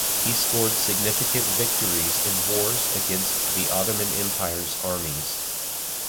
He scored significant victories in wars against the Ottoman Empire's armies.